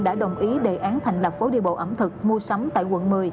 đã đồng ý đề án thành lập phố đi bộ ẩm thực mua sắm tại quận một mươi